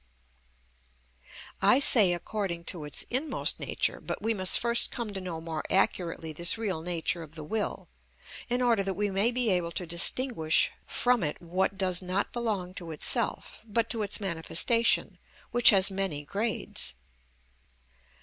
I say according to its inmost nature; but we must first come to know more accurately this real nature of the will, in order that we may be able to distinguish from it what does not belong to itself, but to its manifestation, which has many grades.